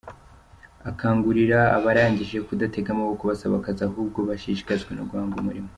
Akangurira abarangije kudatega amaboko basaba akazi ahubwo bashishikazwe no guhanga umurimo.